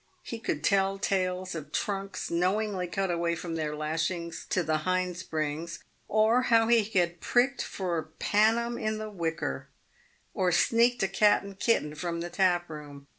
He could tell tales of trunks knowingly cut away from their lashings to the hind springs, or how he had " pricked for panam in the wicker," or "sneaked a cat and kitten" from the tap room.